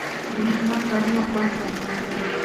برېښنا تارونه پټ وساتئ.